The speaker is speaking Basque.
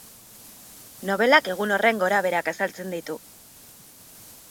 Nobelak egun horren gorabeherak azaltzen ditu.